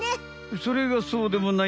それがそうでもないんだわさ。